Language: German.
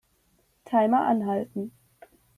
Timer anhalten.